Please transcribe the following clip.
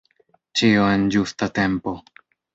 Ĉio en ĝusta tempo.